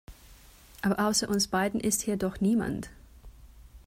Aber außer uns beiden ist hier doch niemand.